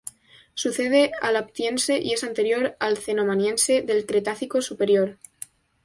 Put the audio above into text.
Sucede al Aptiense y es anterior al Cenomaniense, del Cretácico superior.